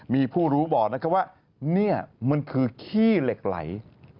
มีผู้รู้บอกนะครับว่านี่มันคือขี้เหล็กไหล